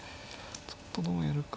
ちょっとどうやるか。